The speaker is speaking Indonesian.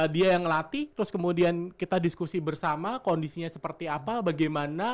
dia yang ngelatih terus kemudian kita diskusi bersama kondisinya seperti apa bagaimana